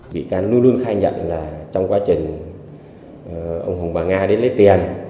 bị can luôn luôn khai nhận là trong quá trình ông hùng bà nga đến lấy tiền